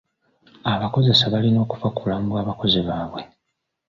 Abakoseza balina okufa ku bulamu bw'abakozi baabwe.